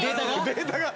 データが。